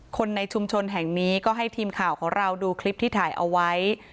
คนในชุมชนแห่งนี้ก็ให้ทีมข่าวของเราดูคลิปที่ถ่ายเอาไว้